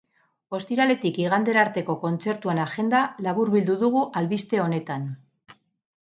Ostiraletik igandera arteko kontzertuen agenda laburbildu dugu albiste honetan.